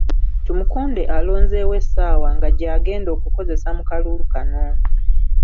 Tumukunde alonzeewo essaawa nga gy'agenda okukozesa mu kalulu kano.